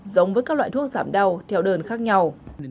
giống với các loại thuốc giảm đau theo đơn khác nhau